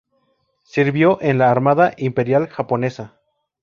Sirvió en la Armada Imperial Japonesa.